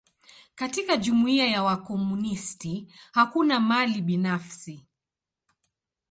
Katika jumuia ya wakomunisti, hakuna mali binafsi.